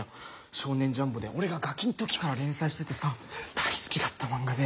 「少年ジャンボ」で俺がガキん時から連載しててさ大好きだった漫画で。